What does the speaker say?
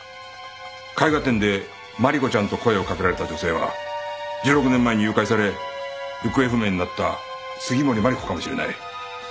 絵画展でまりこちゃんと声をかけられた女性は１６年前に誘拐され行方不明になった杉森真梨子かもしれない。